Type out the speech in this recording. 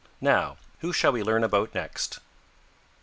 Now who shall we learn about next?"